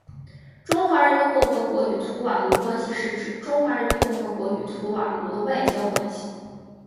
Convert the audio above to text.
中华人民共和国与图瓦卢关系是指中华人民共和国与图瓦卢的外交关系。